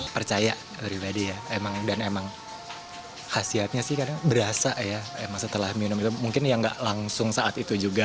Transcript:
percaya pribadi ya dan emang khasiatnya sih karena berasa ya emang setelah minum itu mungkin ya nggak langsung saat itu juga